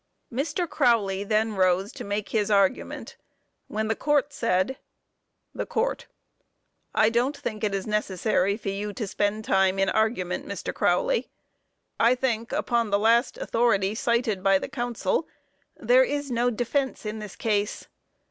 Mr. Crowley then rose to make his argument, when the Court said: THE COURT: I don't think it is necessary for you to spend time in argument, Mr. Crowley. I think upon the last authority cited by the counsel there is no defense in this case.